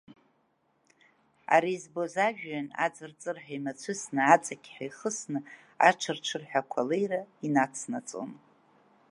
Ари збоз ажәҩан аҵыр-ҵырҳәа имацәысны, аҵықьҳәа ихысны, аҽыр-ҽырҳәа ақәа алеира инацнаҵон.